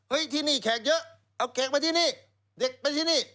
เอาเด็กไปที่นี่